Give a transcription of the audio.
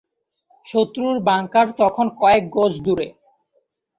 শত্রুর বাংকার তখন কয়েক গজ দূরে।